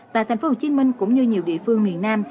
tại tp hcm cũng như nhiều địa phương miền nam